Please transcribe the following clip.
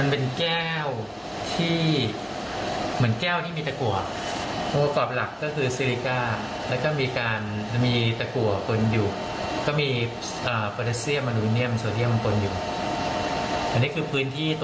ตัวใจหล่นเลยจาก๓๕๐ล้านบาท